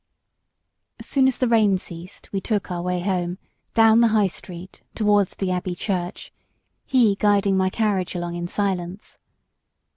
As soon as the rain ceased, we took our way home, down the High Street, towards the Abbey church he guiding my carriage along in silence.